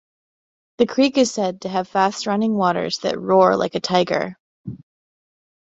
The creek is said to have fast-running waters that roar like a tiger.